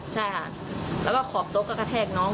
แล้วก็ขอบโต๊คจะแทกน้อง